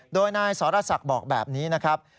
โดยนายสรศักดิ์บอกแบบนี้นะครับ